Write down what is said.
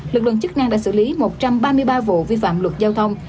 lực lượng chức năng đã xử lý một trăm ba mươi ba vụ vi phạm luật giao thông